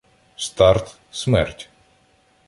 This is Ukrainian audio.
Старт — смерть.